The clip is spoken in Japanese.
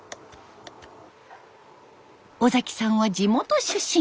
尾さんは地元出身。